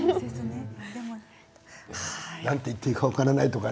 なんて言っていいか分からないとか